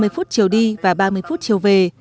ba mươi phút chiều đi và ba mươi phút chiều về